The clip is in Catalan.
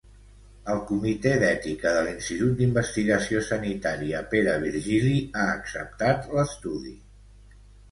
El comitè d'Ètica de l'Institut d'Investigació Sanitària Pere Virgili ha acceptat l'estudi.